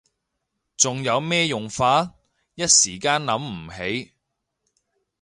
仲有咩用法？一時間諗唔起